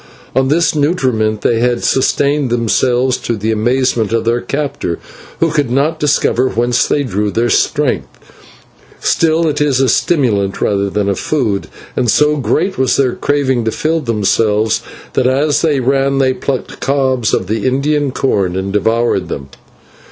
On this nutriment they had sustained themselves to the amazement of their captor, who could not discover whence they drew their strength; still it is a stimulant rather than a food, and so great was their craving to fill themselves, that as they ran they plucked cobs of the Indian corn and devoured them.